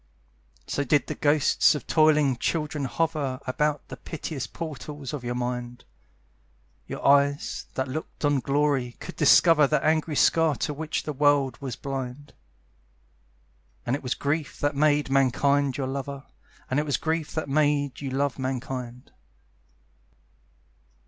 So did the ghosts of toiling children hover About the piteous portals of your mind; Your eyes, that looked on glory, could discover The angry scar to which the world was blind: And it was grief that made Mankind your lover, And it was grief that made you love Mankind.